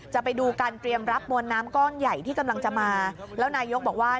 จะไปดูการเตรียมรับมวลน้ำก้อนใหญ่ที่กำลังจะมา